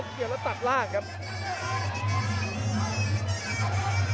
สวัสดิ์นุ่มสตึกชัยโลธสวัสดิ์